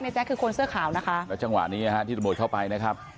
แจ๊คคือคนเสื้อขาวนะคะแล้วจังหวะนี้นะฮะที่ตำรวจเข้าไปนะครับ